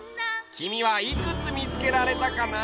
きみはいくつみつけられたかな？